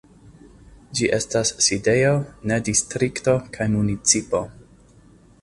Ĝi estas sidejo de distrikto kaj municipo.